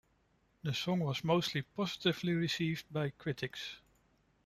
The song was mostly positively received by critics.